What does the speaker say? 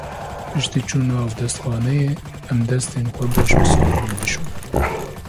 Piştî çûna avdestxaneyê, em destên xwe baş bi sabûnê bişon.